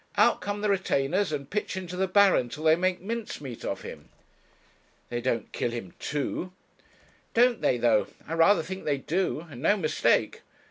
Out come the retainers, and pitch into the Baron till they make mincemeat of him.' 'They don't kill him, too?' 'Don't they though? I rather think they do, and no mistake.'